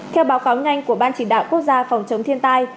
theo báo cáo nhanh của ban chỉ đạo quốc gia phòng chống thiên tai